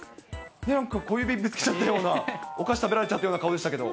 なんか、小指ぶつけちゃったような、お菓子食べられちゃったような顔でしたけど。